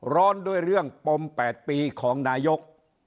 ร้อนด้วยเรื่องปม๘ปีของนายก